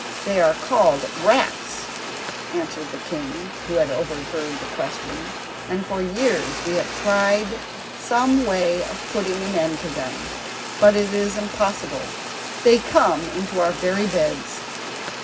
"They are called rats," answered the king, who had overheard the question, "and for years we have tried some way of putting an end to them, but it is impossible. They come into our very beds."